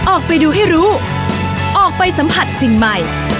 ออกไปดูให้รู้ออกไปสัมผัสสิ่งใหม่